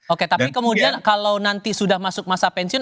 oke tapi kemudian kalau nanti sudah masuk masa pensiun